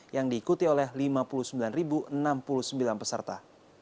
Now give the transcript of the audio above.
yang diikuti oleh lima puluh sembilan enam puluh sembilan peserta